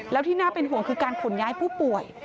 แล้วที่น่าเป็นห่วงคือการขนย้ายผู้ป่วย